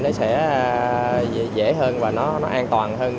nó sẽ dễ hơn và an toàn hơn